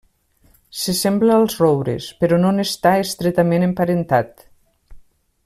Se sembla als roures però no n'està estretament emparentat.